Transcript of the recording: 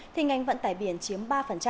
thì ngành vận tải biển chiếm ba